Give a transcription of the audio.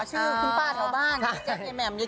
อ๋อชื่อคุณพ่อชาวบ้าน็ย